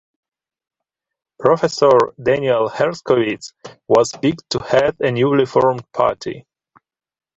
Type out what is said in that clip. Professor Daniel Hershkovitz was picked to head the newly formed party.